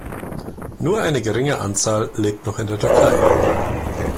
Nur eine geringe Anzahl lebt noch in der Türkei.